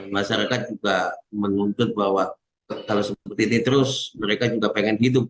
masyarakat juga menuntut bahwa kalau seperti ini terus mereka juga pengen hidup